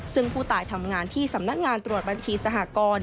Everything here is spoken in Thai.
ซึ่งผู้ตายทำงานที่สำนักงานตรวจบัญชีสหกร